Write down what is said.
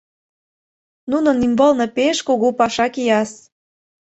Нунын ӱмбалне пеш кугу паша кияс.